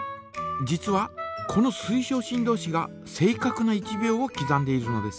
実はこの水晶振動子が正かくな１秒をきざんでいるのです。